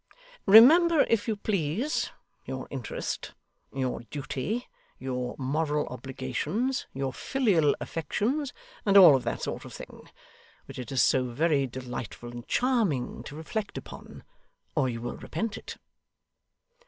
Remember, if you please, your interest, your duty, your moral obligations, your filial affections, and all that sort of thing, which it is so very delightful and charming to reflect upon; or you will repent it.